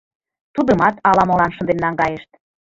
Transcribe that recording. Тудымат ала-молан шынден наҥгайышт.